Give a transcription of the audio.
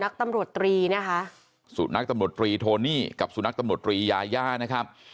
ตำรวจตรีนะคะสุนัขตำรวจตรีโทนี่กับสุนัขตำรวจรียาย่านะครับ